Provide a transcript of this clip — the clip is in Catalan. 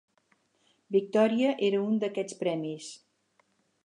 "Victoria" era un d'aquests premis.